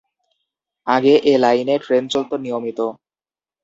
আগে এ লাইনে ট্রেন চলত নিয়মিত।